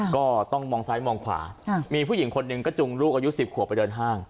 ก็ต้องมองซ้ายมองขวามีผู้หญิงคนหนึ่งก็จุงลูกอายุ๑๐ขวบไปเดินห้าง